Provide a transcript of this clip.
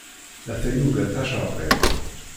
A tayuga tacerqit.